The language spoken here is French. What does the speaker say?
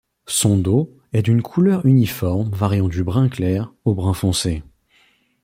Son dos est d'une couleur uniforme variant du brun clair au brun foncé.